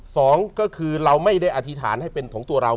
สองก็คือเราไม่ได้อธิษฐานให้เป็นของตัวเรา